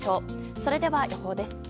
それでは、予報です。